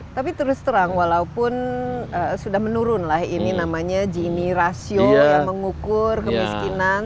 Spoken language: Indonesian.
tapi terus terang walaupun sudah menurunlah ini namanya gini ratio yang mengukur kemiskinan